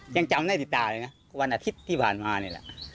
ยังจำได้ติดตาเลยนะวันอาทิตย์ที่ผ่านมานี่แหละ